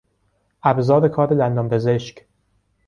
ابزار کار دندانپزشک